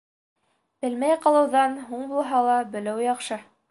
Белмәй ҡалыуҙан, һуң булһа ла, белеү яҡшы.